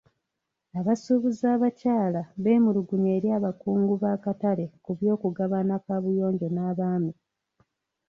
Abasuubuzi abakyala beemulugunya eri abakungu b'akatale ku ky'okugabana kaabuyonjo n'abaami.